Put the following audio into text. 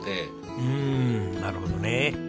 うんなるほどね。